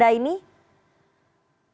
jadi gini sebelum gugatan ini saya